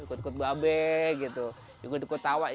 ikut ikut babek gitu ikut ikut tawa